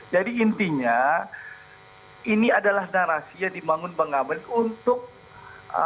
jadi intinya ini adalah narasi yang dimbangun bang ambalin untuk membangun presiden